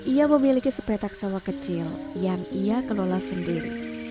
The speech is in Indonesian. ia memiliki sepetak sawah kecil yang ia kelola sendiri